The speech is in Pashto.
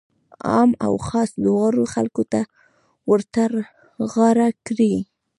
عام او خاص دواړو خلکو ته ورترغاړه کړي.